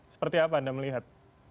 seperti apa anda melihat